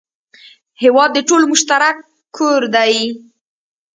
هېواد د ټولو مشترک کور دی.